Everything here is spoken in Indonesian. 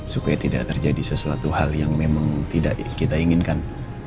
supaya tidak terjadi sesuatu hal yang memang tidak kita inginkan